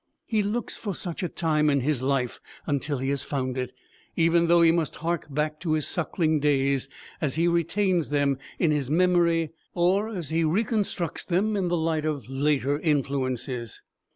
He looks for such a time in his life until he has found it, even though he must hark back to his suckling days as he retains them in his memory or as he reconstructs them in the light of later influences.